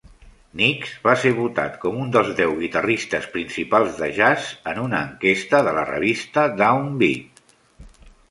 Nix va ser votat com un dels deu guitarristes principals de jazz en una enquesta de la revista "Down Beat".